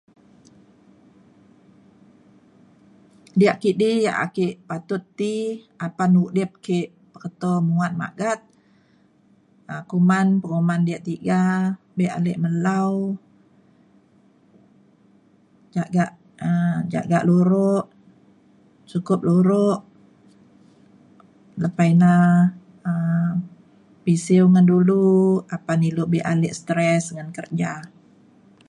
Diak kidi yak ake patut ti apan udip ke peketo muat magat um kuman penguman diak tiga be ale melau jagak um jagak luro sukup luro lepa ina um pisiu ngan dulu apan ilu be ale stress ngan kerja.